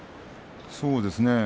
そうですね。